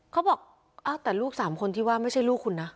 เขาบอกแต่ลูก๓คนที่ว่าไม่ใช่ลูกคุณนะ